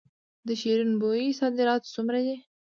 د شیرین بویې صادرات څومره دي؟